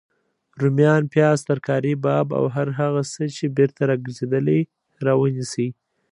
روميان، پیاز، ترکاري باب او هر هغه څه چی بیرته راګرځیدلي راونیسئ